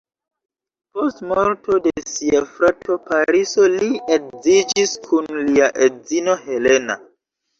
Post morto de sia frato Pariso li edziĝis kun lia edzino Helena.